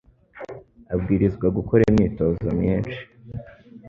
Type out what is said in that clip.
abwirizwa gukora imyitozo myinshi